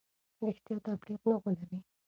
رښتیا تبلیغ نه غولوي.